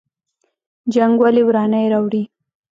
جنګ ولې ورانی راوړي؟